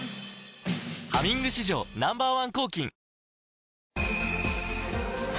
「ハミング」史上Ｎｏ．１